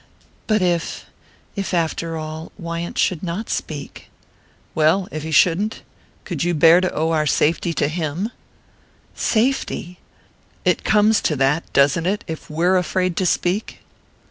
"But if...if after all...Wyant should not speak?" "Well if he shouldn't? Could you bear to owe our safety to him?" "Safety!" "It comes to that, doesn't it, if we're afraid to speak?"